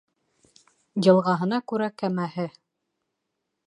Йылғаһына күрә кәмәһе.